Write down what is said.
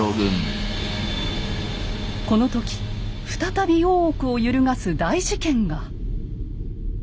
この時再び大奥を揺るがす大事件が。